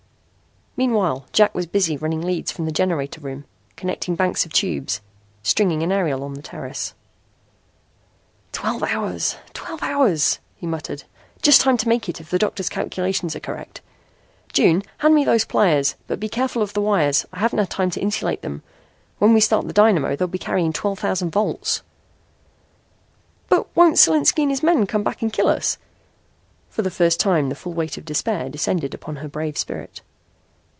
Meanwhile Jack was busy running leads from the generator room, connecting banks of tubes, stringing an aerial on the terrace. "Twelve hours! Twelve hours!" he muttered. "Just time to make it if the doctor's calculations are correct. June, hand me those pliers, but be careful of the wires. I haven't time to insulate them. When we start the dynamo they'll be carrying twelve thousand volts." "But won't Solinski and his men come back and kill us?" For the first time the full weight of despair descended upon her brave spirit.